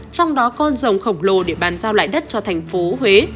trong đó con rồng khổng lồ để bàn giao lại đất cho thành phố huế